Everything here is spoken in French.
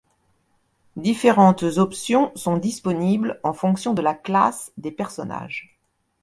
Différentes options sont disponibles en fonction de la classe des personnages.